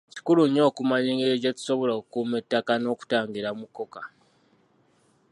Kikulu nnyo okumanya engeri gye tusobola okukuuma ettaka n'okutangira mukoka